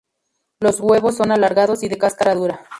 Los huevos son alargados y de cáscara dura.